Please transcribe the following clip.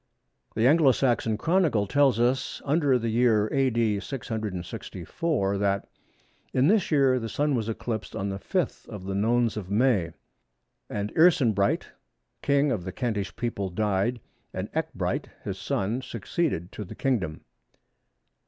The Anglo Saxon Chronicle tells us under the year A.D. 664 that, "In this year the Sun was eclipsed on the 5th of the Nones of May; and Earcenbryht, King of the Kentish people died and Ecgbryht his son succeeded to the Kingdom."